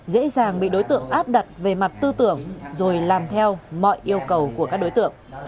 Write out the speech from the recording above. dễ dàng bị đối tượng áp đặt về mặt tư tưởng rồi làm theo mọi yêu cầu của các đối tượng